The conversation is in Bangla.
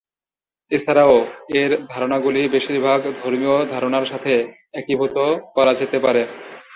এছাড়াও, এর ধারণাগুলি বেশিরভাগ ধর্মীয় ধারণার সাথে একীভূত করা যেতে পারে।